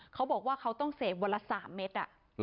เขาบอกว่าเขาต้องเสพวันละ๓เม็ด